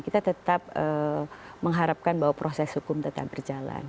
kita tetap mengharapkan bahwa proses hukum tetap berjalan